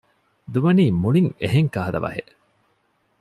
ދުވަނީ މުޅިން އެހެން ކަހަލަ ވަހެއް